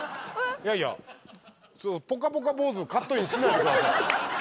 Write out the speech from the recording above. いやいや『ぽかぽか』坊主カットインしないでください。